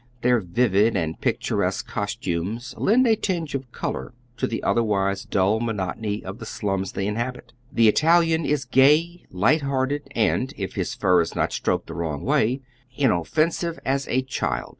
Their vivid and picturesque costumes lend a tinge of color to the otherwise dull monot ony of the slums they inhabit. The Italian is gay, light hearted and, if his fur is not stroked the wrong way, in offensive as a child.